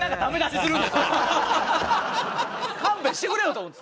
勘弁してくれよと思って。